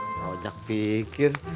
mau cak pikir